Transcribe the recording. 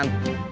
lanjut nih ya